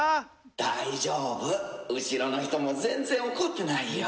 「大丈夫後ろの人も全然怒ってないよ」。